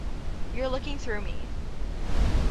You're looking through me.